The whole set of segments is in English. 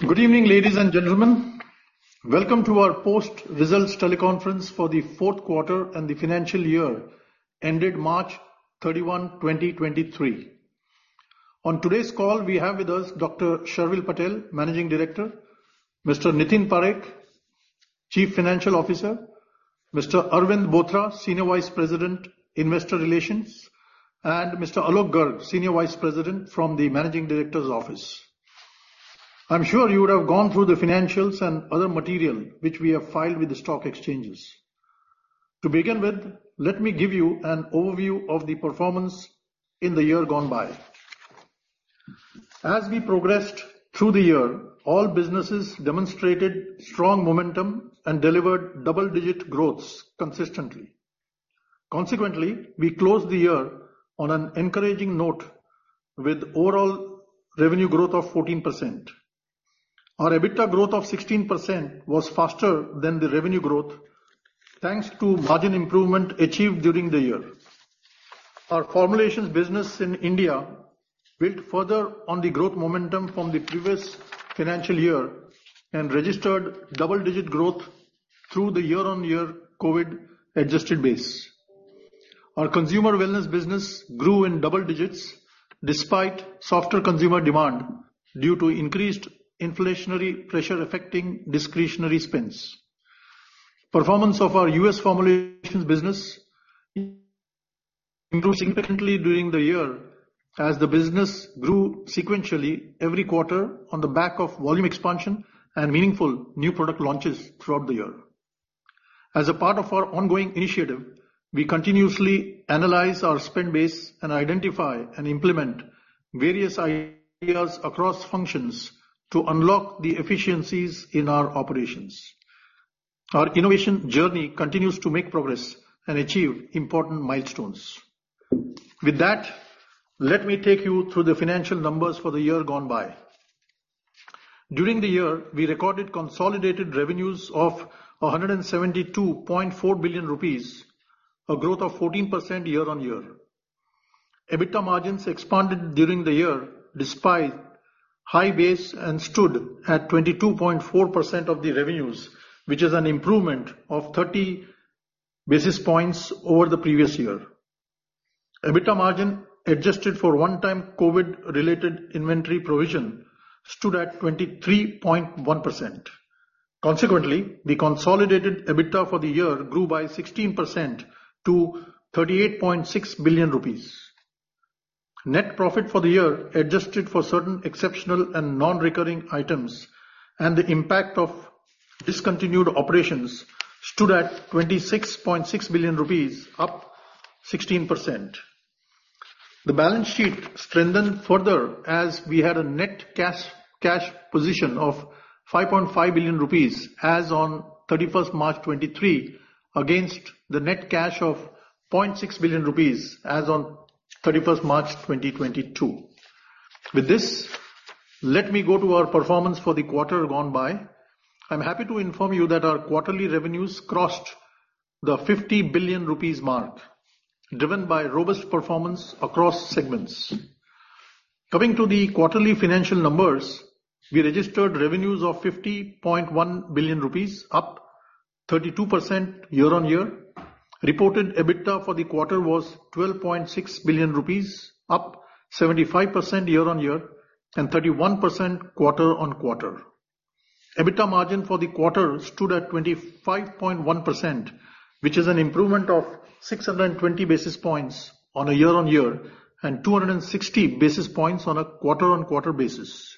Good evening, ladies and gentlemen. Welcome to our post-results teleconference for the fourth quarter and the financial year ended March 31, 2023. On today's call, we have with us Dr. Sharvil Patel, Managing Director, Mr. Nitin Parekh, Chief Financial Officer, Mr. Arvind Bothra, Senior Vice President, Investor Relations, and Mr. Alok Garg, Senior Vice President from the Managing Director's Office. I'm sure you would have gone through the financials and other material which we have filed with the stock exchanges. To begin with, let me give you an overview of the performance in the year gone by. As we progressed through the year, all businesses demonstrated strong momentum and delivered double-digit growths consistently. Consequently, we closed the year on an encouraging note with overall revenue growth of 14%. Our EBITDA growth of 16% was faster than the revenue growth, thanks to margin improvement achieved during the year. Our Formulations business in India built further on the growth momentum from the previous financial year and registered double-digit growth through the year-on-year COVID adjusted base. Our Consumer Wellness business grew in double digits despite softer consumer demand due to increased inflationary pressure affecting discretionary spends. Performance of our US Formulations business improved significantly during the year as the business grew sequentially every quarter on the back of volume expansion and meaningful new product launches throughout the year. As a part of our ongoing initiative, we continuously analyze our spend base and identify and implement various ideas across functions to unlock the efficiencies in our operations. Our innovation journey continues to make progress and achieve important milestones. With that, let me take you through the financial numbers for the year gone by. During the year, we recorded consolidated revenues of 172.4 billion rupees, a growth of 14% year-on-year. EBITDA margins expanded during the year despite high base and stood at 22.4% of the revenues, which is an improvement of 30 basis points over the previous year. EBITDA margin adjusted for one-time COVID-related inventory provision stood at 23.1%. The consolidated EBITDA for the year grew by 16% to 38.6 billion rupees. Net profit for the year adjusted for certain exceptional and non-recurring items and the impact of discontinued operations stood at 26.6 billion rupees, up 16%. The balance sheet strengthened further as we had a net cash position of 5.5 billion rupees as on March 31, 2023, against the net cash of 0.6 billion rupees as on March 31, 2022. With this, let me go to our performance for the quarter gone by. I'm happy to inform you that our quarterly revenues crossed the 50 billion rupees mark, driven by robust performance across segments. Coming to the quarterly financial numbers, we registered revenues of 50.1 billion rupees, up 32% year-on-year. Reported EBITDA for the quarter was 12.6 billion rupees, up 75% year-on-year and 31% quarter-on-quarter. EBITDA margin for the quarter stood at 25.1%, which is an improvement of 620 basis points on a year-on-year, and 260 basis points on a quarter-on-quarter basis.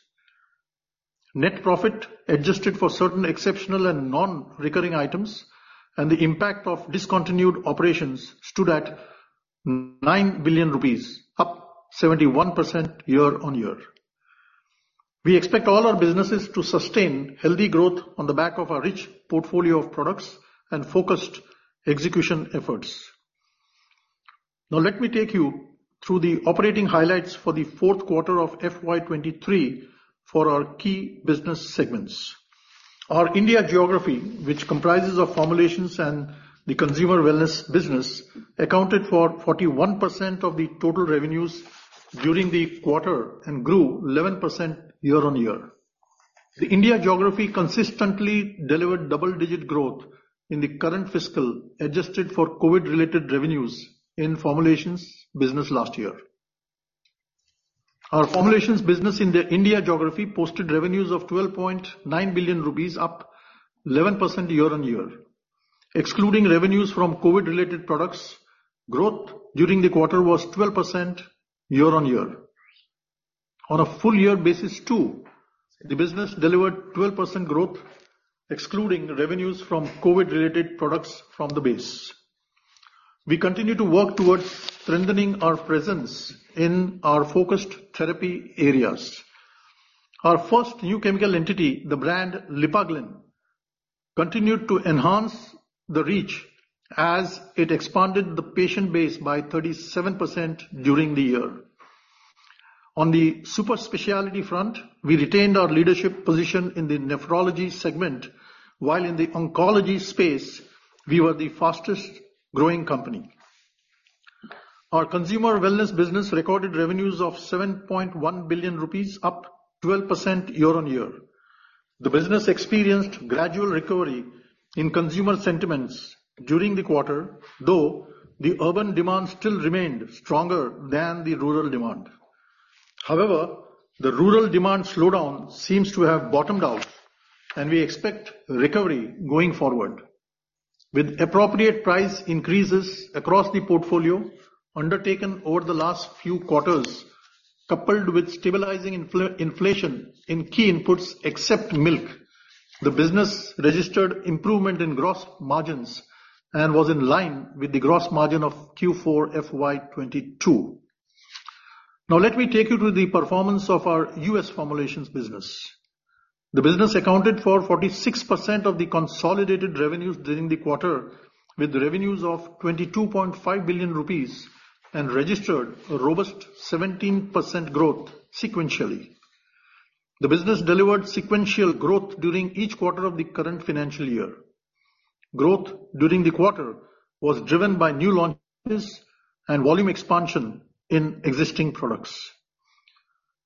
Net profit adjusted for certain exceptional and non-recurring items and the impact of discontinued operations stood at 9 billion rupees, up 71% year-on-year. We expect all our businesses to sustain healthy growth on the back of our rich portfolio of products and focused execution efforts. Let me take you through the operating highlights for the fourth quarter of FY 2023 for our key business segments. Our India geography, which comprises of Formulations and the Consumer Wellness business, accounted for 41% of the total revenues during the quarter and grew 11% year-on-year. The India geography consistently delivered double-digit growth in the current fiscal, adjusted for COVID-related revenues in Formulations business last year. Our Formulations business in the India geography posted revenues of 12.9 billion rupees, up 11% year-on-year. Excluding revenues from COVID-related products, growth during the quarter was 12% year-on-year. On a full year basis too, the business delivered 12% growth excluding revenues from COVID-related products from the base. We continue to work towards strengthening our presence in our focused therapy areas. Our first new chemical entity, the brand Lipaglyn, continued to enhance the reach as it expanded the patient base by 37% during the year. On the super specialty front, we retained our leadership position in the nephrology segment, while in the oncology space, we were the fastest growing company. Our Consumer Wellness business recorded revenues of 7.1 billion rupees, up 12% year-on-year. The business experienced gradual recovery in consumer sentiments during the quarter, though the urban demand still remained stronger than the rural demand. The rural demand slowdown seems to have bottomed out, and we expect recovery going forward. With appropriate price increases across the portfolio undertaken over the last few quarters, coupled with stabilizing inflation in key inputs except milk, the business registered improvement in gross margins and was in line with the gross margin of Q4 FY 2022. Let me take you to the performance of our US Formulations business. The business accounted for 46% of the consolidated revenues during the quarter, with revenues of 22.5 billion rupees and registered a robust 17% growth sequentially. The business delivered sequential growth during each quarter of the current financial year. Growth during the quarter was driven by new launches and volume expansion in existing products.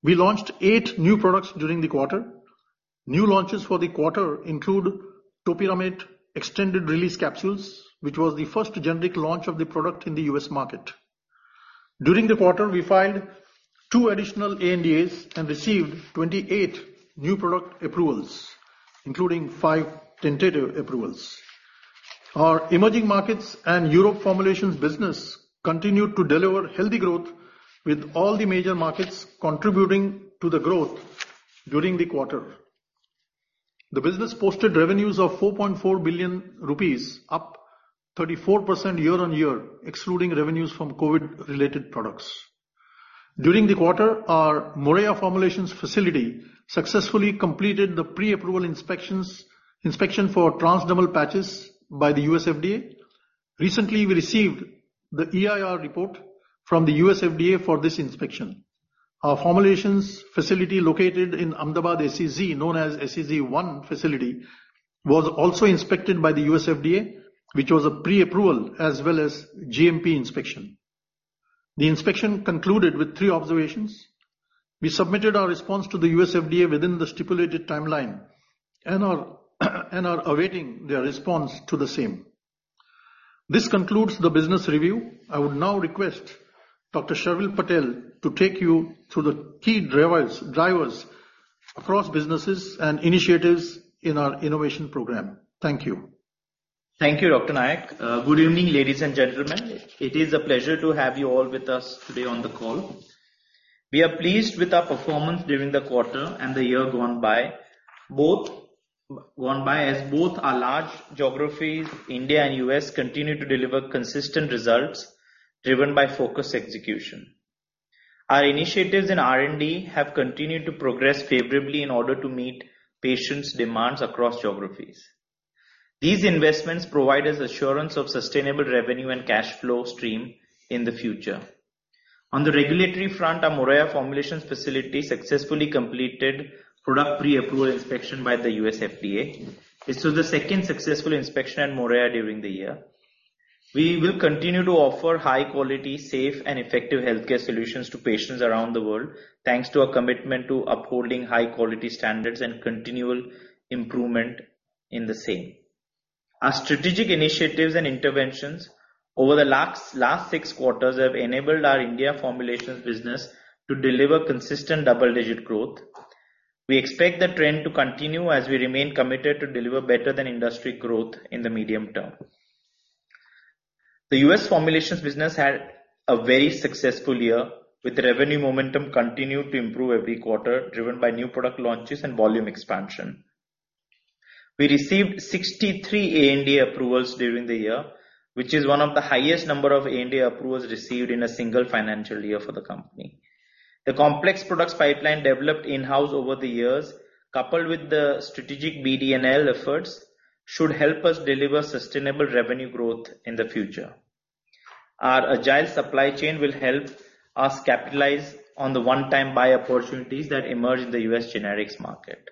We launched eight new products during the quarter. New launches for the quarter include Topiramate extended release capsules, which was the first generic launch of the product in the US market. During the quarter, we filed twp additional ANDAs and received 28 new product approvals, including 5 tentative approvals. Our Emerging Markets and Europe Formulations business continued to deliver healthy growth, with all the major markets contributing to the growth during the quarter. The business posted revenues of 4.4 billion rupees, up 34% year-on-year, excluding revenues from COVID-related products. During the quarter, our Moraiya Formulations facility successfully completed the pre-approval inspections, inspection for transdermal patches by the US FDA. Recently, we received the EIR report from the US FDA for this inspection. Our Formulations facility located in Ahmedabad SEZ, known as SEZ 1 facility, was also inspected by the US FDA, which was a pre-approval as well as GMP inspection. The inspection concluded with 3 observations. We submitted our response to the US FDA within the stipulated timeline and are awaiting their response to the same. This concludes the business review. I would now request Dr. Sharvil Patel to take you through the key drivers across businesses and initiatives in our innovation program. Thank you. Thank you, Dr. Nayak. Good evening, ladies and gentlemen. It is a pleasure to have you all with us today on the call. We are pleased with our performance during the quarter and the year gone by as both our large geographies, India and US, continue to deliver consistent results driven by focused execution. Our initiatives in R&D have continued to progress favorably in order to meet patients' demands across geographies. These investments provide us assurance of sustainable revenue and cash flow stream in the future. On the regulatory front, our Moraiya Formulations facility successfully completed product pre-approval inspection by the U.S. FDA. This was the second successful inspection at Moraiya during the year. We will continue to offer high quality, safe and effective healthcare solutions to patients around the world, thanks to our commitment to upholding high quality standards and continual improvement in the same. Our strategic initiatives and interventions over the last six quarters have enabled our India Formulations business to deliver consistent double-digit growth. We expect the trend to continue as we remain committed to deliver better than industry growth in the medium term. The US Formulations business had a very successful year, with revenue momentum continuing to improve every quarter, driven by new product launches and volume expansion. We received 63 ANDA approvals during the year, which is one of the highest number of ANDA approvals received in a single financial year for the company. The complex products pipeline developed in-house over the years, coupled with the strategic BD&L efforts, should help us deliver sustainable revenue growth in the future. Our agile supply chain will help us capitalize on the one-time buy opportunities that emerge in the US generics market.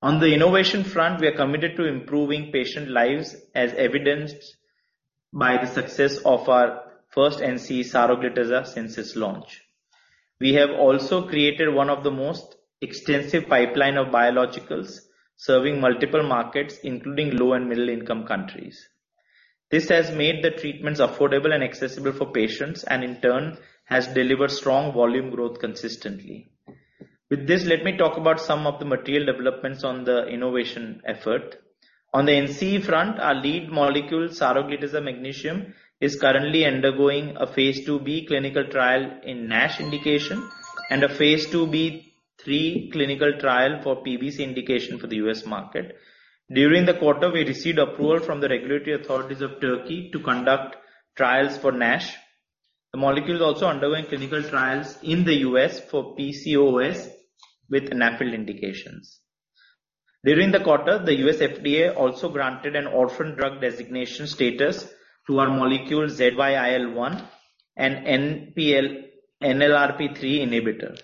On the innovation front, we are committed to improving patient lives, as evidenced by the success of our first NC saroglitazar since its launch. We have also created one of the most extensive pipeline of biologics serving multiple markets, including low and middle income countries. This has made the treatments affordable and accessible for patients, and in turn has delivered strong volume growth consistently. With this, let me talk about some of the material developments on the innovation effort. On the NC front, our lead molecule, saroglitazar magnesium, is currently undergoing a phase IIb clinical trial in NASH indication and a phase IIb/III clinical trial for PBC indication for the U.S. market. During the quarter, we received approval from the regulatory authorities of Turkey to conduct trials for NASH. The molecule is also undergoing clinical trials in the U.S. for PCOS with an approval indications. During the quarter, the US FDA also granted an orphan drug designation status to our molecule ZYIL1, an NLRP3 inhibitor.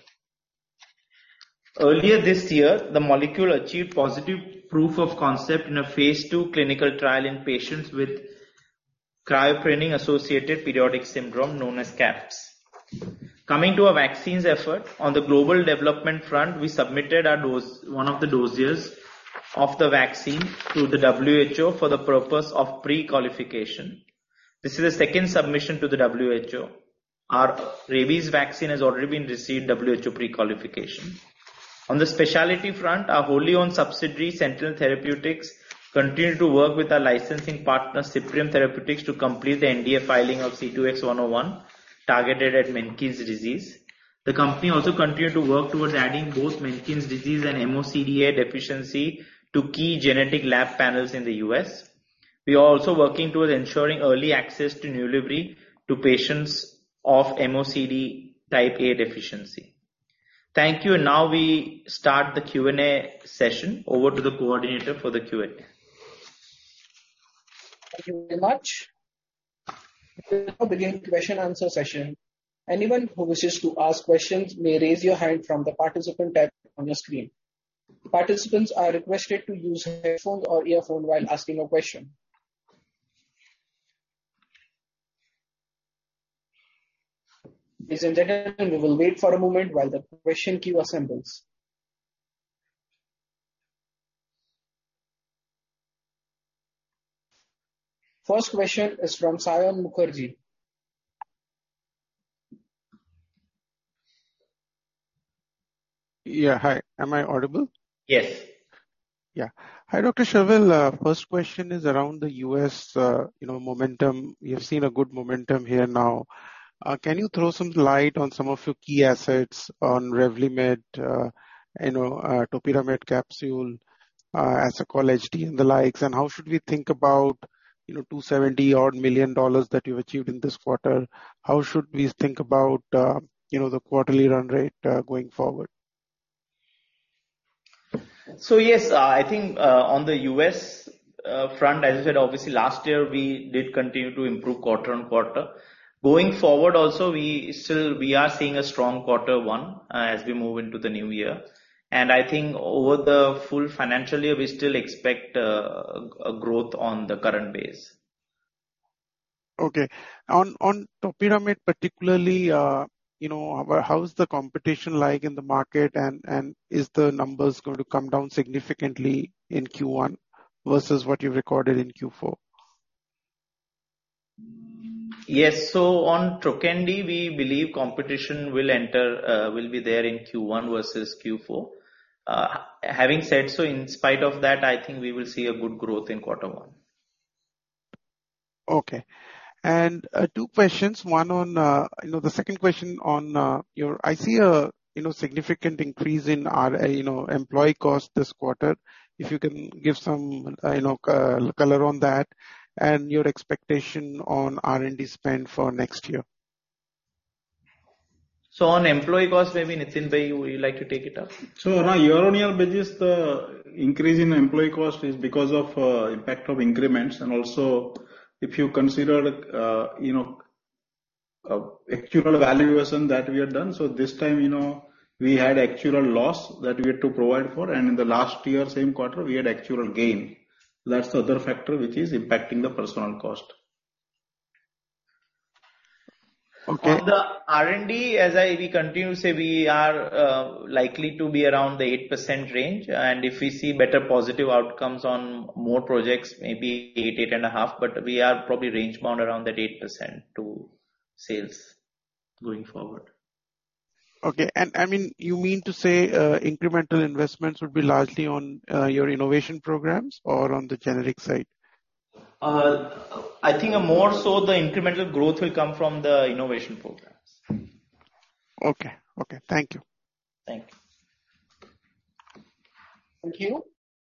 Earlier this year, the molecule achieved positive proof of concept in a phase II clinical trial in patients with cryopyrin-associated periodic syndrome known as CAPS. Coming to our vaccines effort. On the global development front, we submitted our dose, one of the doses of the vaccine to the WHO for the purpose of pre-qualification. This is the second submission to the WHO. Our rabies vaccine has already been received WHO pre-qualification. On the specialty front, our wholly owned subsidiary, Sentynl Therapeutics, continued to work with our licensing partner, Cyprium Therapeutics, to complete the NDA filing of CUTX-101, targeted at Menkes disease. The company also continued to work towards adding both Menkes disease and MoCD Type A deficiency to key genetic lab panels in the US. We are also working towards ensuring early access to NULIBRY to patients of MoCD Type A deficiency. Thank you. Now we start the Q&A session. Over to the coordinator for the Q&A. Thank you very much. We now begin the question answer session. Anyone who wishes to ask questions may raise your hand from the participant tab on your screen. Participants are requested to use headphones or earphones while asking a question. Ladies and gentlemen, we will wait for a moment while the question queue assembles. First question is from Saion Mukherjee. Yeah. Hi. Am I audible? Yes. Yeah. Hi, Dr. Sharvil. First question is around the U.S., you know, momentum. We have seen a good momentum here now. Can you throw some light on some of your key assets on Revlimid, you know, Topiramate Capsule, Asacol HD and the likes? How should we think about, you know, $270 million that you've achieved in this quarter? How should we think about, you know, the quarterly run rate going forward? Yes, I think on the U.S. front, as you said, obviously last year, we did continue to improve quarter-on-quarter. Going forward also we still are seeing a strong quarter one as we move into the new year. I think over the full financial year, we still expect a growth on the current base. Okay. On Topiramate particularly, you know, how is the competition like in the market and is the numbers going to come down significantly in Q1 versus what you've recorded in Q4? Yes. On Trokendi, we believe competition will enter, will be there in Q1 versus Q4. Having said so, in spite of that, I think we will see a good growth in quarter one. Okay. Two questions. One on, you know, the second question on, I see a, you know, significant increase in our, you know, employee cost this quarter. If you can give some, you know, color on that and your expectation on R&D spend for next year. On employee cost, maybe Nitin, maybe you would like to take it up. Yeah, year-on-year basis, the increase in employee cost is because of impact of increments. Also if you consider, you know, actuarial valuation that we have done. This time, you know, we had actuarial loss that we had to provide for. In the last year, same quarter, we had actuarial gain. That's the other factor which is impacting the personnel cost. Okay. On the R&D, as we continue to say we are likely to be around the 8% range, and if we see better positive outcomes on more projects, maybe 8 and a half, but we are probably range bound around that 8% to sales going forward. Okay. I mean, you mean to say, incremental investments would be largely on, your innovation programs or on the generic side? I think more so the incremental growth will come from the innovation programs. Okay. Okay. Thank you. Thank you. Thank you.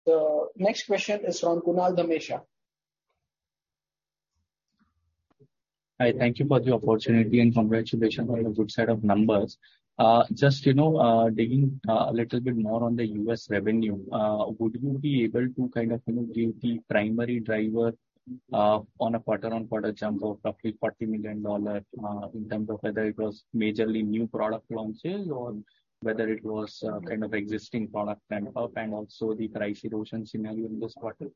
The next question is from Kunal Dhamesha. Hi. Thank you for the opportunity, congratulations on the good set of numbers. Just, you know, digging a little bit more on the U.S. revenue, would you be able to kind of, you know, give the primary driver on a quarter-on-quarter jump of roughly $40 million, in terms of whether it was majorly new product launches or whether it was kind of existing product ramp up and also the price erosion scenario in this quarter?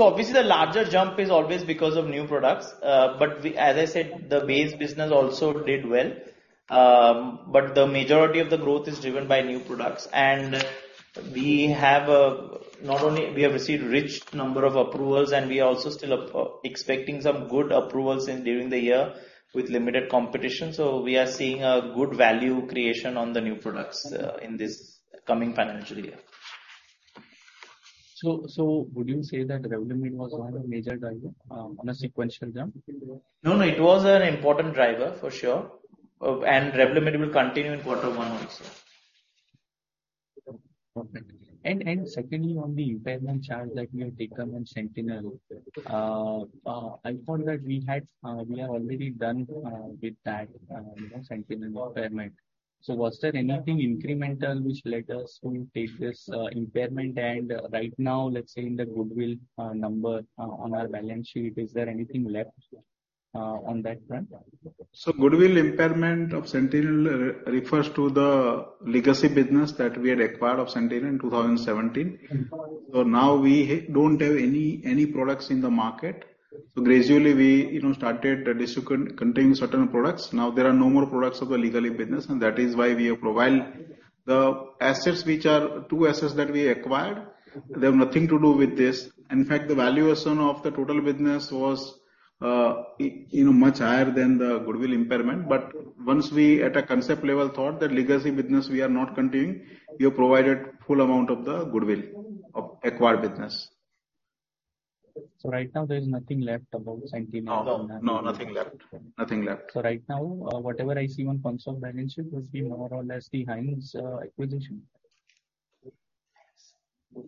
Obviously the larger jump is always because of new products. As I said, the base business also did well. The majority of the growth is driven by new products. Not only we have received rich number of approvals and we are also still expecting some good approvals in during the year with limited competition. We are seeing a good value creation on the new products in this coming financial year. Would you say that Revlimid was one of the major driver on a sequential jump? No, no it was an important driver for sure. Revlimid will continue in quarter one also. Okay. Secondly, on the impairment charge that you have taken on Sentynl, I thought that we had we are already done with that, you know, Sentynl impairment. Was there anything incremental which led us to take this impairment? Right now let's say in the goodwill number on our balance sheet, is there anything left? On that front. Goodwill impairment of Sentynl refers to the legacy business that we had acquired of Sentynl in 2017. Now we don't have any products in the market. Gradually we, you know, started to discontinue certain products. Now there are no more products of the legacy business, that is why we have provided the assets which are two assets that we acquired. They have nothing to do with this. In fact, the valuation of the total business was, you know, much higher than the goodwill impairment. Once we at a concept level thought that legacy business we are not continuing, we have provided full amount of the goodwill of acquired business. Right now there is nothing left about Sentynl. No, no, nothing left. Nothing left. Right now, whatever I see on functional balance sheet must be more or less the Heinz acquisition.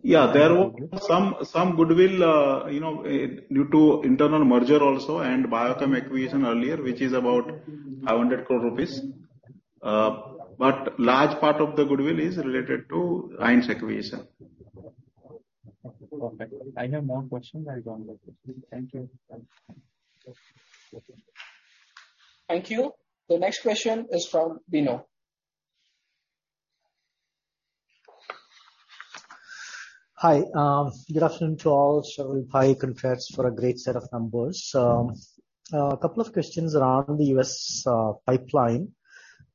Yeah. There were some goodwill, you know, due to internal merger also and Biochem acquisition earlier, which is about 500 crore rupees. Large part of the goodwill is related to Heinz acquisition. Okay. I have no more questions. I will join back. Thank you. Thank you. The next question is from Bino. Hi. Good afternoon to all. Sharvilbai congrats for a great set of numbers. A couple of questions around the US pipeline.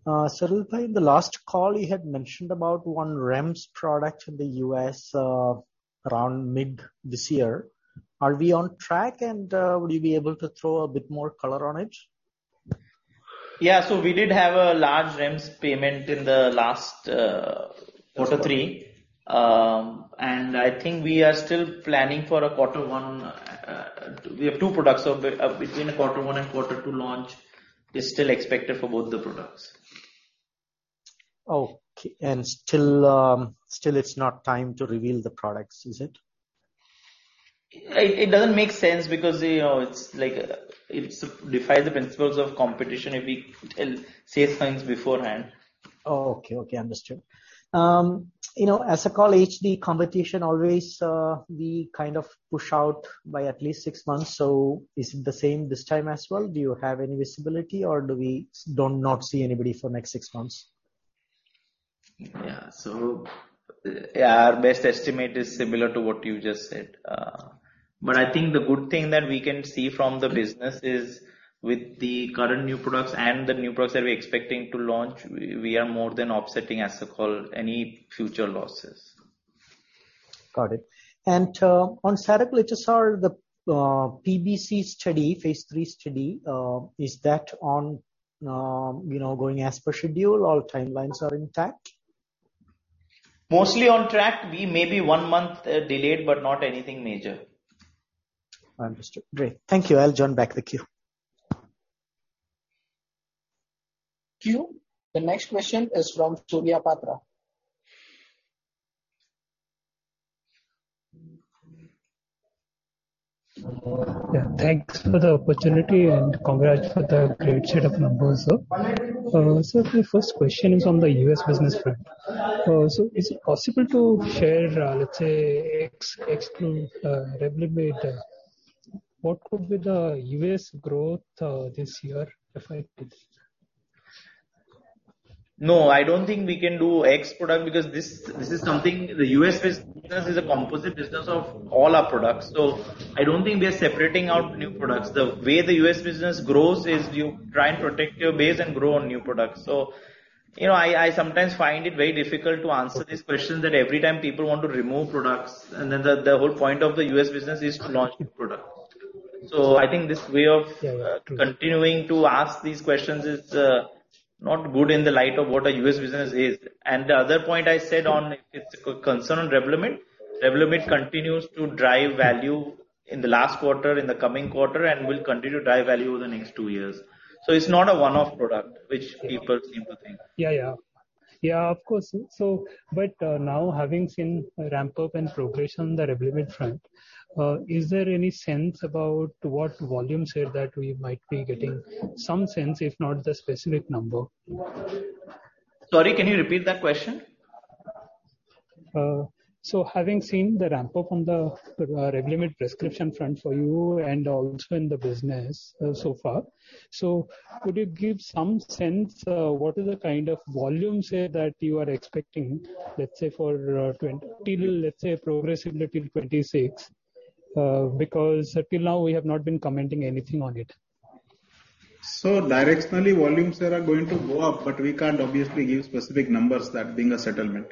Sharvilbhaii, in the last call you had mentioned about 1 REMS product in the US around mid this year. Are we on track and would you be able to throw a bit more color on it? We did have a large REMS payment in the last, quarter three. I think we are still planning for a quarter one. We have two products. Between a quarter one and quarter two launch is still expected for both the products. Okay. Still it's not time to reveal the products, is it? It doesn't make sense because, you know, it's like, it's defies the principles of competition if we say things beforehand. Oh, okay. Okay. Understood. you know, Asacol HD competition always, we kind of push out by at least 6 months. Is it the same this time as well? Do you have any visibility or do we don't not see anybody for next six months? Yeah, our best estimate is similar to what you just said. I think the good thing that we can see from the business is with the current new products and the new products that we're expecting to launch, we are more than offsetting Asacol any future losses. Got it. On saroglitazar, the PBC study, phase three study, is that on, you know, going as per schedule, all timelines are intact? Mostly on track. We may be one month delayed, but not anything major. Understood. Great. Thank you. I'll join back the queue. Queue. The next question is from Surya Patra. Thanks for the opportunity and congrats for the great set of numbers, sir. My first question is on the U.S. business front. Is it possible to share, let's say ex-exclude, Revlimid, what could be the US growth this year if I did? No, I don't think we can do ex product because this is something the U.S. business is a composite business of all our products. I don't think we are separating out new products. The way the U.S. business grows is you try and protect your base and grow on new products. you know, I sometimes find it very difficult to answer these questions that every time people want to remove products and then the whole point of the U.S. business is to launch new products. I think this way of continuing to ask these questions is not good in the light of what our U.S. business is. The other point I said on if it's a concern on Revlimid continues to drive value in the last quarter, in the coming quarter, and will continue to drive value over the next two years. It's not a one-off product which people seem to think. Yeah, yeah. Yeah, of course. Now having seen a ramp-up and progression on the Revlimid front, is there any sense about what volume share that we might be getting? Some sense, if not the specific number. Sorry, can you repeat that question? Having seen the ramp-up on the Revlimid prescription front for you and also in the business so far, could you give some sense, what is the kind of volume share that you are expecting, let's say for till, let's say progressively till 2026? Till now we have not been commenting anything on it. Directionally volume share are going to go up, but we can't obviously give specific numbers that being a settlement.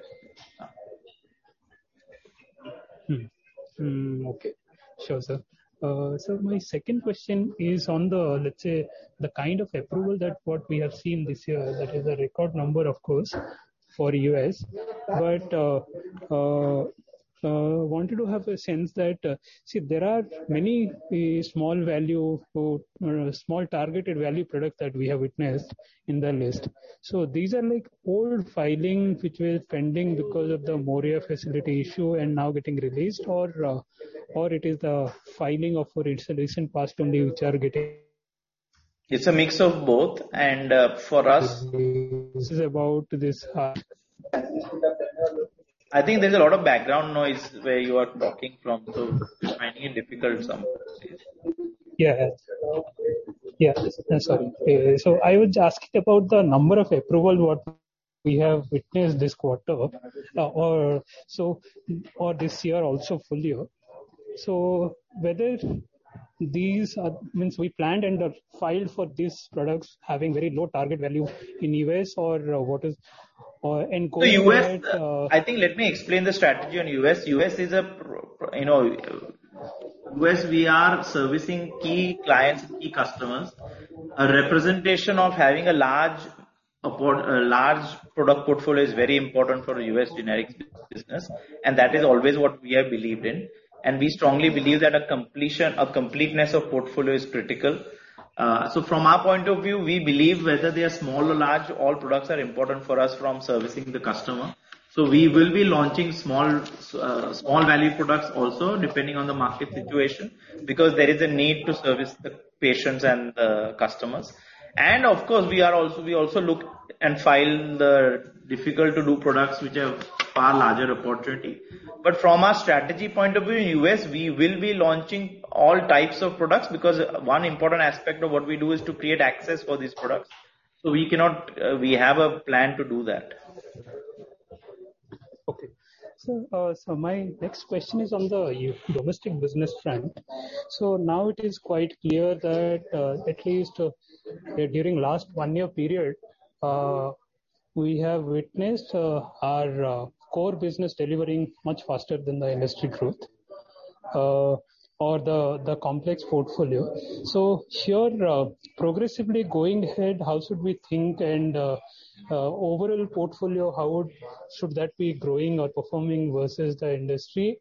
Okay. Sure, sir. My second question is on the, let's say, the kind of approval that what we have seen this year, that is a record number of course for U.S. Wanted to have a sense that, see there are many, small value or small targeted value products that we have witnessed in the list. These are like old filings which were pending because of the Moraiya facility issue and now getting released or it is the filing of for installation passed only which are getting. It's a mix of both. This is about this. I think there's a lot of background noise where you are talking from. I'm finding it difficult sometimes. Yeah. Yeah. Sorry. I was asking about the number of approval what we have witnessed this quarter, or this year also full year. Whether means we planned and filed for these products having very low target value in U..S or what is in going out. The U.S., I think, let me explain the strategy on US. US is a you know, US we are servicing key clients, key customers. A representation of having a large product portfolio is very important for US generic business, and that is always what we have believed in. We strongly believe that a completeness of portfolio is critical. From our point of view, we believe whether they are small or large, all products are important for us from servicing the customer. We will be launching small value products also, depending on the market situation, because there is a need to service the patients and the customers. Of course, we also look and file the difficult to do products which have far larger opportunity. From our strategy point of view, US, we will be launching all types of products because one important aspect of what we do is to create access for these products. We have a plan to do that. Okay. My next question is on the domestic business front. Now it is quite clear that, at least, during last one-year period, we have witnessed our core business delivering much faster than the industry growth or the complex portfolio. Here, progressively going ahead, how should we think and overall portfolio, how should that be growing or performing versus the industry?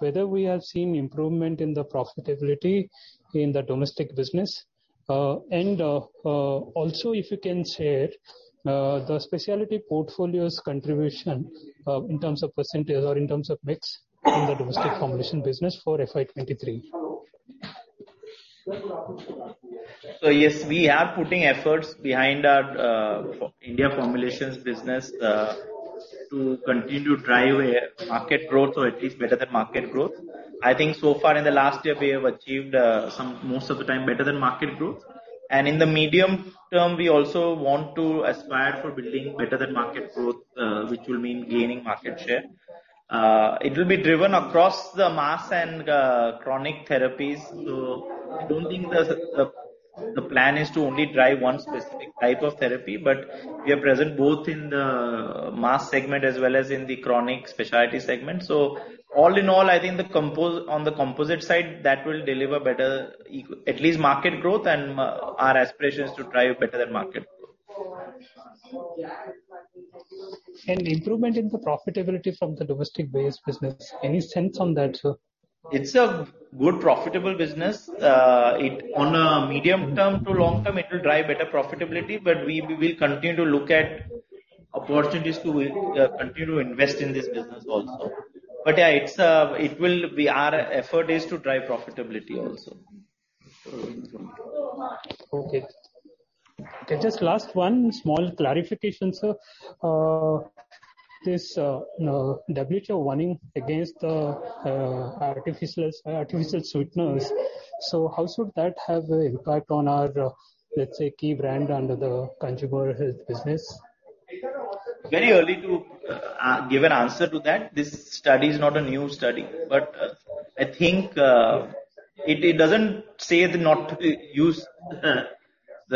Whether we have seen improvement in the profitability in the domestic business. Also, if you can share the specialty portfolio's contribution in terms of % or in terms of mix in the domestic formulation business for FY23. Yes, we are putting efforts behind our India formulations business to continue to drive market growth or at least better than market growth. I think so far in the last year, we have achieved most of the time better than market growth. In the medium term, we also want to aspire for building better than market growth, which will mean gaining market share. It will be driven across the mass and chronic therapies. I don't think the plan is to only drive one specific type of therapy, but we are present both in the mass segment as well as in the chronic specialty segment. All in all, I think on the composite side, that will deliver at least market growth and our aspiration is to drive better than market growth. Improvement in the profitability from the domestic base business. Any sense on that, sir? It's a good profitable business. On a medium term to long term, it will drive better profitability, we will continue to look at opportunities to continue to invest in this business also. Yeah, it's - it will be our effort is to drive profitability also. Okay, just last one small clarification, sir. This WHO warning against artificial sweeteners. How should that have impact on our, let's say, key brand under the consumer health business? Very early to give an answer to that. This study is not a new study. I think it doesn't say not to use the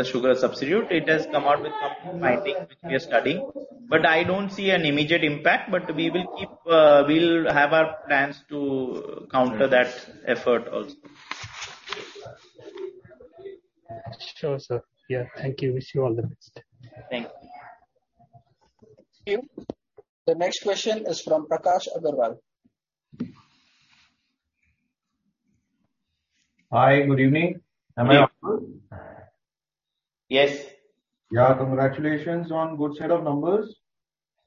sugar substitute. It has come out with some finding which we are studying. I don't see an immediate impact. We will keep, we'll have our plans to counter that effort also. Sure, sir. Yeah. Thank you. Wish you all the best. Thank you. Thank you. The next question is from Prakash Agarwal. Hi, good evening. Am I audible? Yes. Yeah, congratulations on good set of numbers.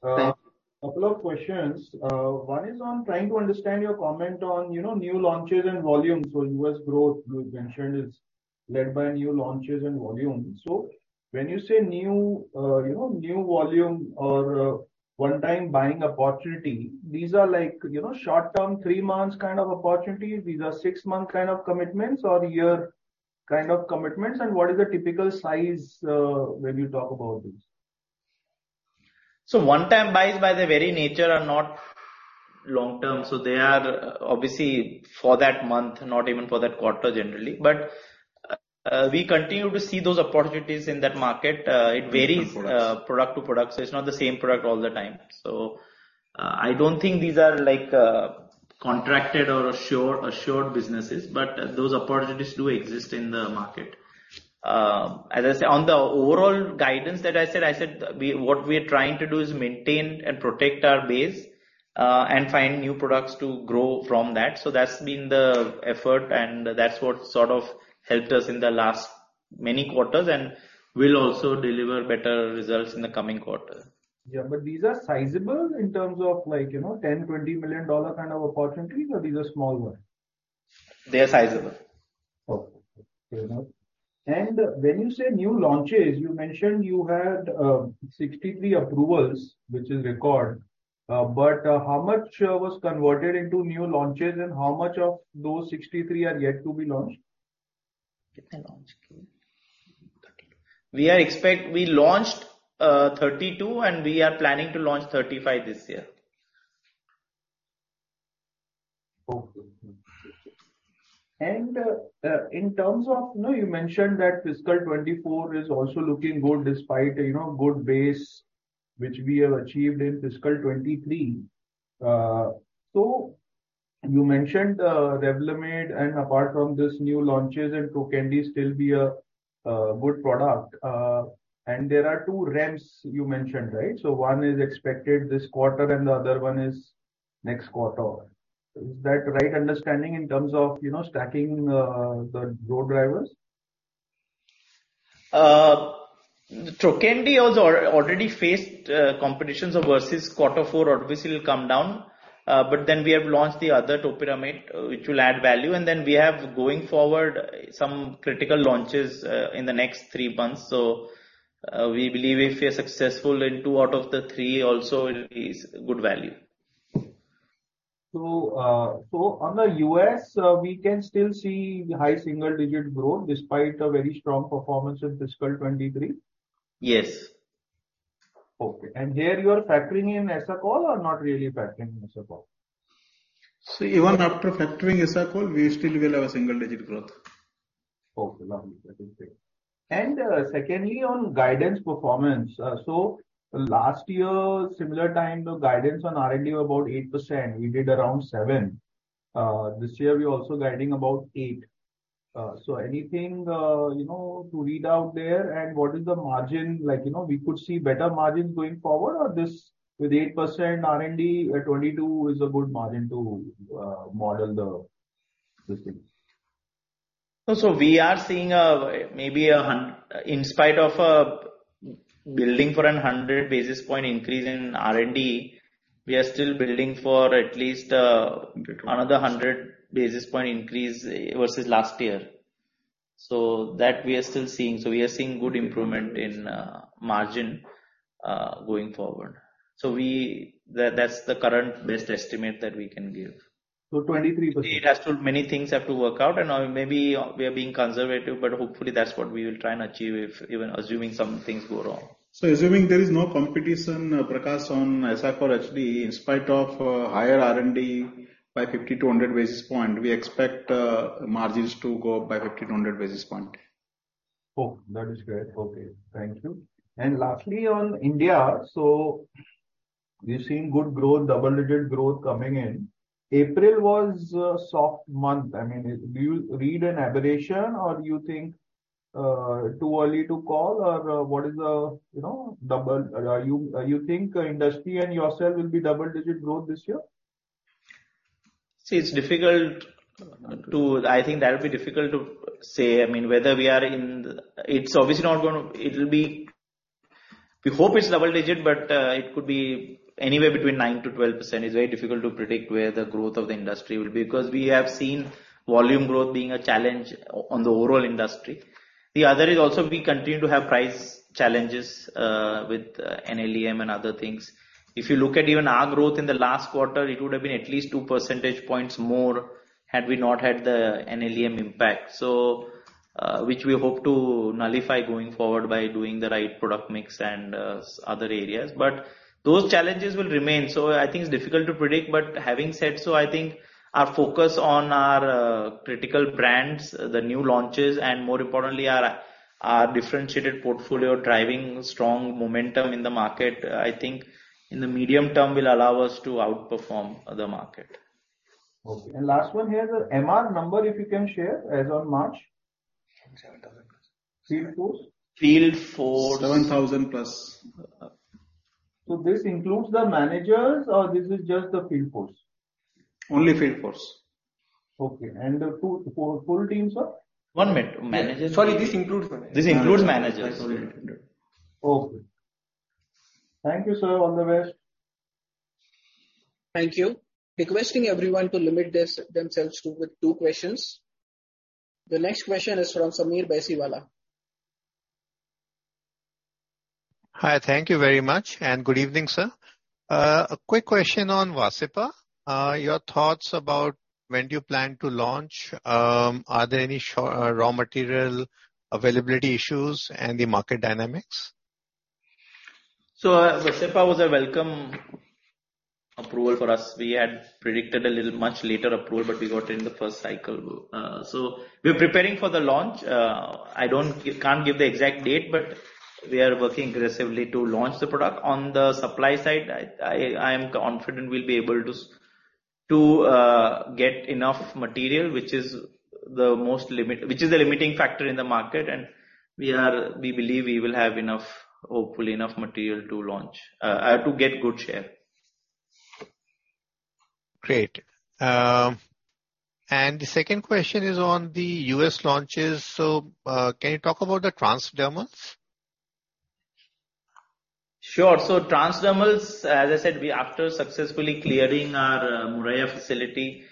Thank you. Couple of questions. One is on trying to understand your comment on, you know, new launches and volumes. US growth you had mentioned is led by new launches and volumes. When you say new, you know, new volume or one time buying opportunity, these are like, you know, short-term, 3 months kind of opportunity? These are 6-month kind of commitments or year kind of commitments? What is the typical size when you talk about these? One-time buys, by their very nature, are not long-term. They are obviously for that month, not even for that quarter generally. We continue to see those opportunities in that market. Different products. Product to product, it's not the same product all the time. I don't think these are like contracted or assured businesses, but those opportunities do exist in the market. As I said, on the overall guidance that I said, we, what we are trying to do is maintain and protect our base and find new products to grow from that. That's been the effort, and that's what sort of helped us in the last many quarters, and will also deliver better results in the coming quarter. Yeah, these are sizable in terms of like, you know, $10 million-$20 million kind of opportunities or these are small ones? They are sizable. Okay. Fair enough. When you say new launches, you mentioned you had 63 approvals, which is record. How much was converted into new launches and how much of those 63 are yet to be launched? We launched 32, and we are planning to launch 35 this year. Okay. In terms of, you know, you mentioned that fiscal 2024 is also looking good despite, you know, good base which we have achieved in fiscal 2023. You mentioned the Revlimid, and apart from this new launches and Trokendi still be a good product. There are two REMS you mentioned, right? One is expected this quarter and the other one is next quarter. Is that the right understanding in terms of, you know, stacking the growth drivers? Trokendi has already faced competitions versus quarter four. Obviously, it will come down. We have launched the other Topiramate, which will add value, and then we have going forward some critical launches in the next three months. We believe if we are successful in two out of the three also it is good value. On the U.S., we can still see high single digit growth despite a very strong performance in fiscal 23? Yes. Okay. Here you are factoring in ESOP or not really factoring in ESOP? Even after factoring ESOP call, we still will have a single digit growth. Okay, lovely. That is great. Secondly, on guidance performance. Last year, similar time the guidance on R&D were about 8%. We did around 7%. This year we are also guiding about 8%. Anything, you know, to read out there? What is the margin like? You know, we could see better margins going forward or this with 8% R&D at 22% is a good margin to model the system. We are seeing maybe in spite of building for a 100 basis point increase in RND, we are still building for at least another 100 basis point increase versus last year. That we are still seeing. We are seeing good improvement in margin going forward. We, that's the current best estimate that we can give. So 23%? Many things have to work out and maybe we are being conservative, but hopefully that's what we will try and achieve if even assuming some things go wrong. Assuming there is no competition, Prakash on ESOP actually in spite of higher R&D by 50 to 100 basis points, we expect margins to go up by 50 to 100 basis points. Oh, that is great. Okay, thank you. Lastly on India. We've seen good growth, double-digit growth coming in. April was a soft month. I mean, do you read an aberration or do you think too early to call or what is the, you know, you think industry and yourself will be double-digit growth this year? See, I think that'll be difficult to say. I mean, we hope it's double digit, but it could be anywhere between 9% to 12%. It's very difficult to predict where the growth of the industry will be, because we have seen volume growth being a challenge on the overall industry. The other is also we continue to have price challenges with NLEM and other things. If you look at even our growth in the last quarter, it would have been at least 2 percentage points more had we not had the NLEM impact. Which we hope to nullify going forward by doing the right product mix and other areas. Those challenges will remain. I think it's difficult to predict, but having said so, I think our focus on our critical brands, the new launches and more importantly our differentiated portfolio driving strong momentum in the market, I think in the medium term will allow us to outperform the market. Okay. Last one here. The MR number if you can share as on March? 7,000 plus. Field force. Field force. 7,000 plus. This includes the managers or this is just the field force? Only field force. Okay. Two full teams, sir? One minute. Managers - Sorry, this includes managers. This includes managers. Okay. Thank you, sir. All the best. Thank you. Requesting everyone to limit themselves to with two questions. The next question is from Sameer Baisiwala. Hi, thank you very much. Good evening, sir. A quick question on Vascepa. Your thoughts about when do you plan to launch? Are there any raw material availability issues and the market dynamics? Vascepa was a welcome approval for us. We had predicted a little much later approval, but we got in the first cycle. We're preparing for the launch. Can't give the exact date, but we are working aggressively to launch the product. On the supply side, I am confident we'll be able to get enough material, which is a limiting factor in the market. We are - we believe we will have enough, hopefully enough material to launch to get good share. Great. The second question is on the U.S. launches. Can you talk about the transdermals? Sure. Transdermals, as I said, after successfully clearing our Moraiya facility,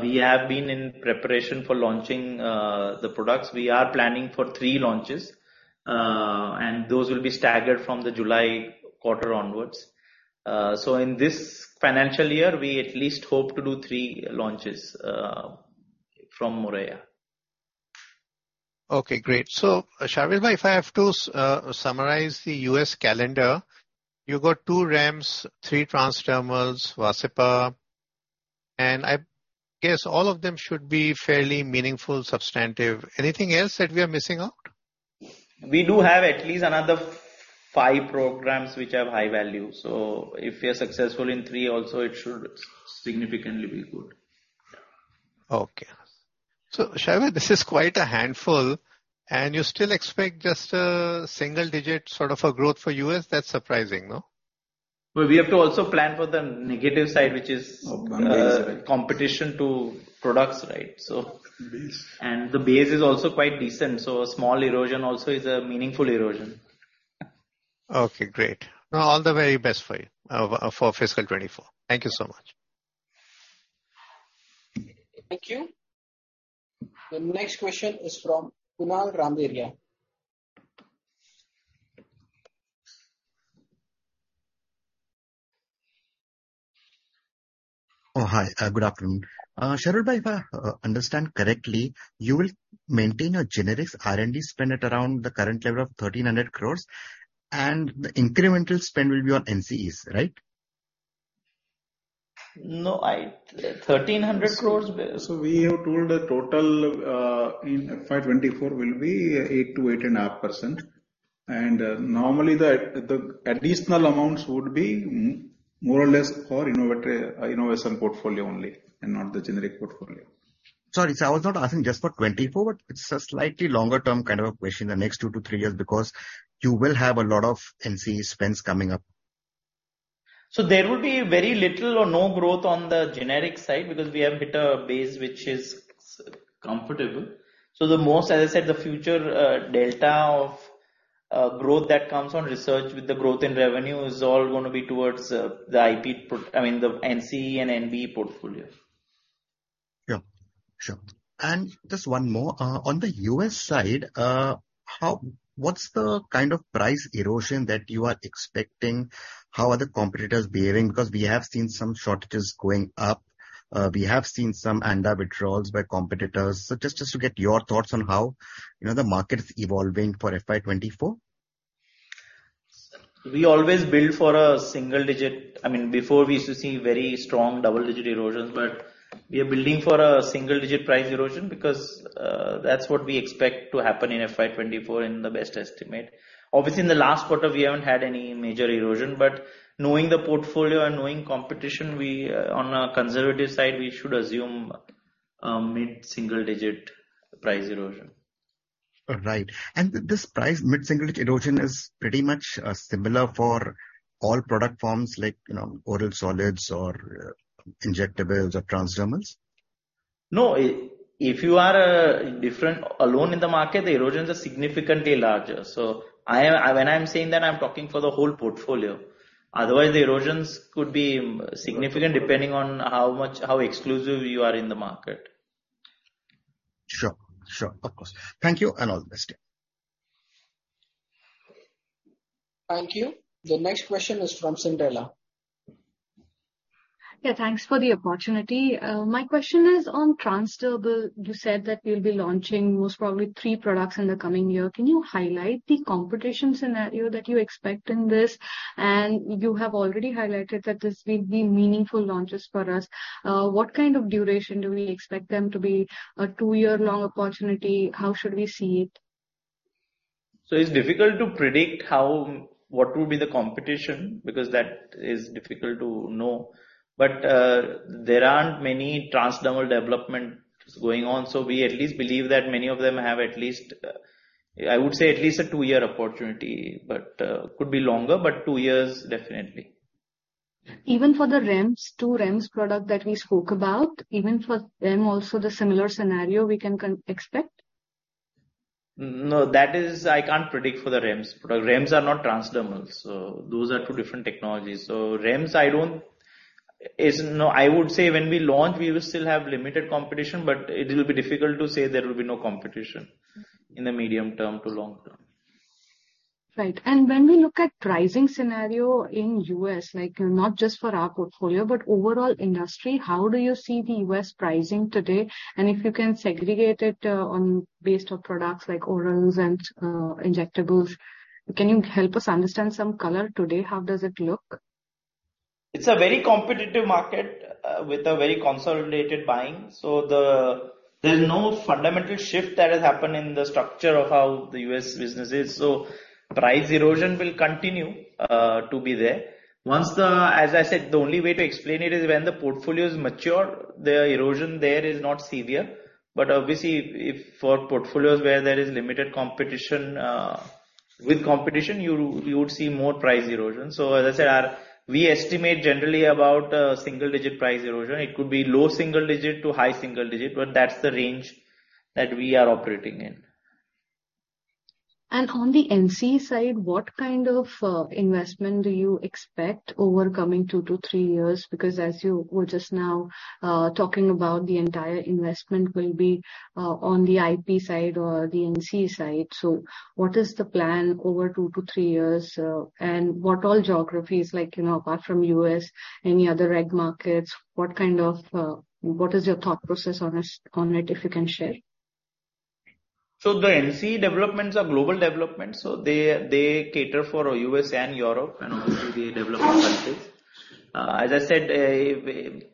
we have been in preparation for launching the products. We are planning for three launches, and those will be staggered from the July quarter onwards. In this financial year, we at least hope to do three launches from Moraiya. Okay, great. Sharvilbhai, if I have to summarize the US calendar, you've got two REMS, three transdermals, Vascepa, and I guess all of them should be fairly meaningful, substantive. Anything else that we are missing out? We do have at least another five programs which have high value. If we are successful in three also, it should significantly be good. Okay. Sharvil, this is quite a handful and you still expect just a single digit sort of a growth for US? That's surprising, no? Well, we have to also plan for the negative side, which is competition to products, right? Base. The base is also quite decent, so a small erosion also is a meaningful erosion. All the very best for you, for fiscal 2024. Thank you so much. Thank you. The next question is from Kunal Randeria. Hi. Good afternoon. Sharvil, if I understand correctly, you will maintain a generics R&D spend at around the current level of 1,300 crores and the incremental spend will be on NCEs, right? No, 1,300 crores? We have told the total in FY 2024 will be 8% to 8.5%. Normally the additional amounts would be more or less for innovation portfolio only and not the generic portfolio. Sorry, I was not asking just for 2024. It's a slightly longer term kind of a question, the next two to three years, because you will have a lot of NCE spends coming up. There will be very little or no growth on the generic side because we have hit a base which is comfortable. The most, as I said, the future, delta of growth that comes on research with the growth in revenue is all gonna be towards, I mean, the NCE and NBE portfolio. Yeah. Sure. Just one more. On the U.S. side, what's the kind of price erosion that you are expecting? How are the competitors behaving? We have seen some shortages going up. We have seen some ANDA withdrawals by competitors. Just to get your thoughts on how, you know, the market is evolving for FY 2024. We always build for a single-digit. I mean, before we used to see very strong double-digit erosions. We are building for a single-digit price erosion because that's what we expect to happen in FY 2024 in the best estimate. Obviously in the last quarter we haven't had any major erosion. Knowing the portfolio and knowing competition, we on a conservative side, we should assume a mid-single-digit price erosion. Right. This price mid-single digit erosion is pretty much similar for all product forms like, you know, oral solids or injectables or transdermals? No. If you are different alone in the market, the erosions are significantly larger. When I'm saying that, I'm talking for the whole portfolio. Otherwise, the erosions could be significant depending on how much, how exclusive you are in the market. Sure. Sure. Of course. Thank you, and all the best. Thank you. The next question is from Sindela. Yeah, thanks for the opportunity. My question is on transdermal. You said that you'll be launching most probably 3 products in the coming year. Can you highlight the competition scenario that you expect in this? You have already highlighted that this will be meaningful launches for us. What kind of duration do we expect them to be? A 2-year long opportunity? How should we see it? It's difficult to predict how, what will be the competition, because that is difficult to know. There aren't many transdermal developments going on. We at least believe that many of them have at least, I would say at least a twp-year opportunity. Could be longer, but two years definitely. Even for the REMS, two. REMS product that we spoke about, even for them also the similar scenario we can expect? I can't predict for the REMS. REMS are not transdermal, so those are two different technologies. REMS I would say when we launch, we will still have limited competition, but it will be difficult to say there will be no competition in the medium term to long term. Right. When we look at pricing scenario in U.S., like not just for our portfolio, but overall industry, how do you see the US pricing today? If you can segregate it on based on products like orals and injectables, can you help us understand some color today? How does it look? It's a very competitive market with a very consolidated buying. There is no fundamental shift that has happened in the structure of how the U.S. business is. Price erosion will continue to be there. As I said, the only way to explain it is when the portfolio is mature, the erosion there is not severe. Obviously if for portfolios where there is limited competition, with competition, you would see more price erosion. As I said, we estimate generally about single-digit price erosion. It could be low single-digit to high single-digit, but that's the range that we are operating in. On the NCE side, what kind of investment do you expect over coming 2-3 years? As you were just now talking about, the entire investment will be on the IP side or the NCE side. What is the plan over two to three years? What all geographies like, you know, apart from U.S., any other reg markets, what kind of what is your thought process on this, on it if you can share? The NC developments are global developments, they cater for U.S. and Europe and also the developed countries. As I said,